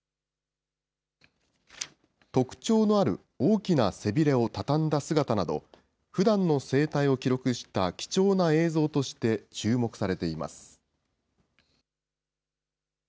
特徴のある大きな背びれを畳んだ姿など、ふだんの生態を記録した貴重な映像として注目されています。